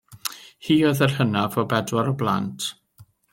Hi oedd yr hynaf o bedwar o blant.